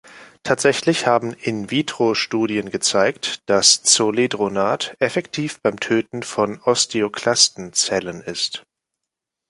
Tatsächlich haben „in vitro“ Studien gezeigt, dass Zoledronat effektiv beim Töten von Osteoklasten-Zellen ist.